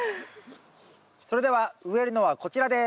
それでは植えるのはこちらです。